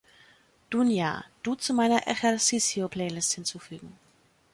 Dunja, du zu meiner ejercicio-Playlist hinzufügen